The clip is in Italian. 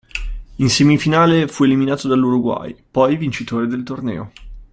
In semifinale fu eliminato dall'Uruguay, poi vincitore del torneo.